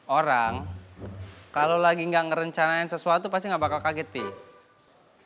orang kalo lagi ga ngerencanain sesuatu pasti ga bakal kaget pih